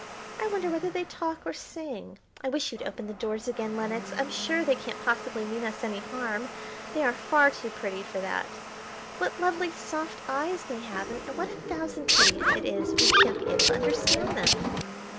I wonder whether they talk or sing. I wish you'd open the doors again, Lenox. I'm sure they can't possibly mean us any harm; they are far too pretty for that. What lovely soft eyes they have, and what a thousand pities it is we shan't be able to understand them."